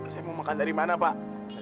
saya mau makan dari mana pak